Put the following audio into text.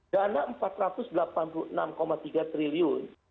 dana rp empat ratus delapan puluh enam tiga triliun